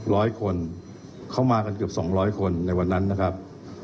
ร้อยคนเข้ามากันเกือบสองร้อยคนในวันนั้นนะครับ